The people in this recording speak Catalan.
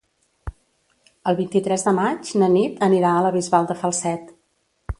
El vint-i-tres de maig na Nit anirà a la Bisbal de Falset.